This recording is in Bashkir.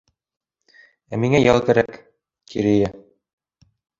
Ә миңә ял кәрәк, Керея.